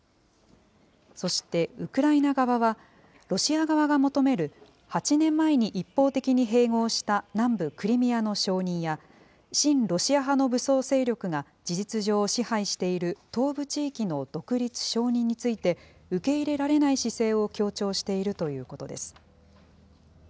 そしてウクライナ側は、ロシア側が求める８年前に一方的に併合した南部クリミアの承認や、親ロシア派の武装勢力が事実上支配している東部地域の独立承認について、受け入れられない姿勢を強調しているということです。